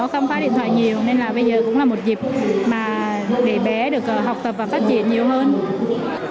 không có điện thoại nhiều nên là bây giờ cũng là một dịp mà để bé được học tập và phát triển nhiều hơn